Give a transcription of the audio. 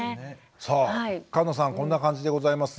さあ菅野さんこんな感じでございます。